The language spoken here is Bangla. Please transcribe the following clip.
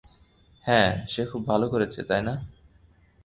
হ্যাঁ, সে খুব ভাল করছে, তাই না?